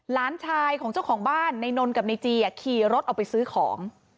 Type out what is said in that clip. หลานชายของเจ้าของบ้านในนนกับในจีขี่รถออกไปซื้อของ